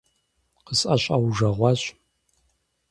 – КъысӀэщӀэужэгъуащ…